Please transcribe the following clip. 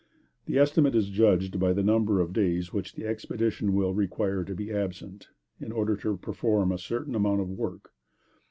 The estimate is judged of by the number of days which the expedition will require to be absent, in order to perform a certain amount of work.